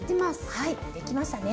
はいできましたね！